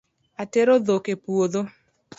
Atero dhok e puodho